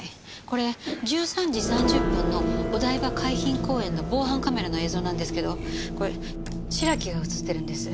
これ１３時３０分のお台場海浜公園の防犯カメラの映像なんですけどこれ白木が映ってるんです。